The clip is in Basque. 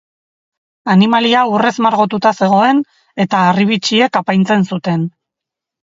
Animalia urrez margotua zegoen eta harribitxiek apaintzen zuten.